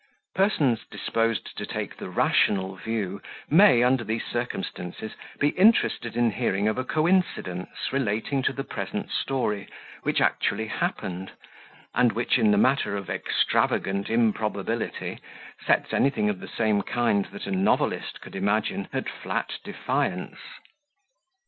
Persons disposed to take the rational view may, under these circumstances, be interested in hearing of a coincidence relating to the present story, which actually happened, and which in the matter of "extravagant improbability" sets anything of the same kind that a novelist could imagine at flat defiance.